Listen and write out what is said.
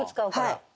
はい。